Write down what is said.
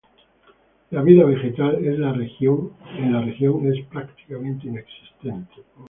La vida vegetal en la región es prácticamente inexistente.